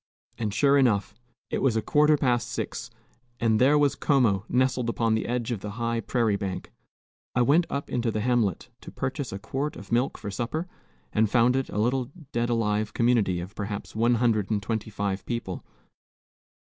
And sure enough, it was a quarter past six, and there was Como nestled upon the edge of the high prairie bank. I went up into the hamlet to purchase a quart of milk for supper, and found it a little dead alive community of perhaps one hundred and twenty five people.